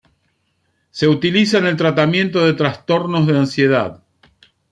Se utiliza en el tratamiento de trastornos de ansiedad.